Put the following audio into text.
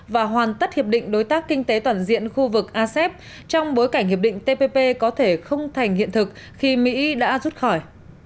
và hoàn tất hiệp định đối tác kinh tế toàn diện khu vực asep trong bối cảnh hiệp định tpp có thể không thành hiện thực khi mỹ đã rút khỏi